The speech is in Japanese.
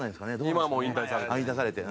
今はもう引退されて。